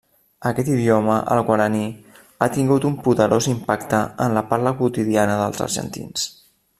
Aquest idioma, el guaraní, ha tingut un poderós impacte en la parla quotidiana dels argentins.